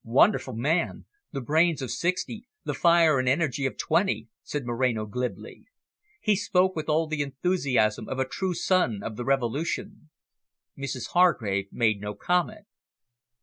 "Wonderful man! The brains of sixty, the fire and energy of twenty!" said Moreno glibly. He spoke with all the enthusiasm of a true son of the Revolution. Mrs Hargrave made no comment.